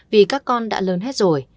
vì các con đã lớn hết rồi